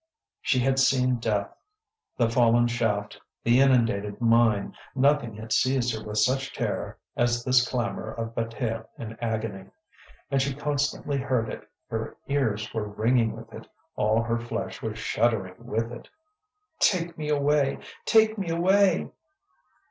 She had seen death. The fallen shaft, the inundated mine, nothing had seized her with such terror as this clamour of Bataille in agony. And she constantly heard it; her ears were ringing with it; all her flesh was shuddering with it. "Take me away! take me away!"